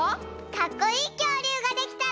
かっこいいきょうりゅうができたら。